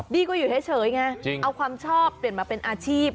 ก็อยู่เฉยไงเอาความชอบเปลี่ยนมาเป็นอาชีพ